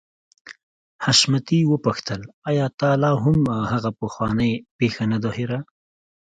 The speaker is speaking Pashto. حشمتي وپوښتل آيا تا لا هم هغه پخوانۍ پيښه نه ده هېره.